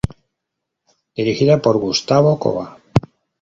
Dirigida por Gustavo Cova.